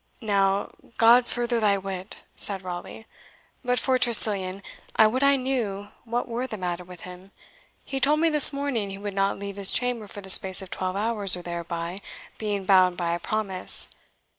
"Now, God further thy wit," said Raleigh. "But for Tressilian, I would I knew what were the matter with him. He told me this morning he would not leave his chamber for the space of twelve hours or thereby, being bound by a promise.